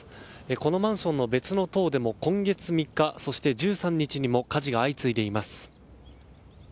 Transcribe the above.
このマンションの別の棟でも今月３日、そして１３日にも火事が相次いでいます。